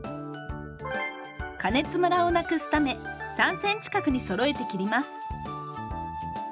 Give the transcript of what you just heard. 加熱ムラをなくすため３ｃｍ角にそろえて切ります。